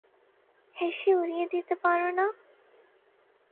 হেসে উড়িয়ে দিতে পারো না?